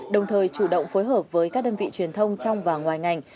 đồng thời chủ động phối hợp với các đơn vị truyền thông trong và ngoài ngành